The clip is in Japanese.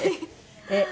えっ？